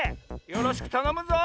よろしくたのむぞ！